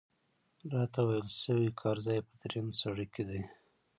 راته ویل شوي کار ځای په درېیم سړک کې دی.